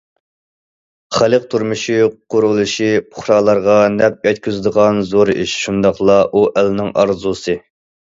خەلق تۇرمۇشى قۇرۇلۇشى پۇقرالارغا نەپ يەتكۈزىدىغان زور ئىش، شۇنداقلا ئۇ ئەلنىڭ ئارزۇسى.